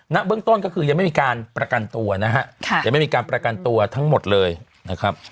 เบื้องต้นก็คือยังไม่มีการประกันตัวนะฮะยังไม่มีการประกันตัวทั้งหมดเลยนะครับ